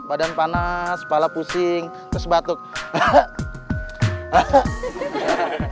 badan panas kepala pusing terus batuk